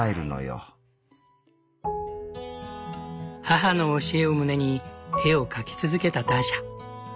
母の教えを胸に絵を描き続けたターシャ。